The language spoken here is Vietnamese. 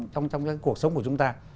trong cuộc sống của chúng ta